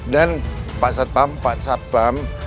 dan pak satpam pak satpam